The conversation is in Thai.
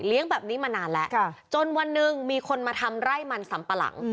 แบบนี้มานานแล้วจนวันหนึ่งมีคนมาทำไร่มันสัมปะหลัง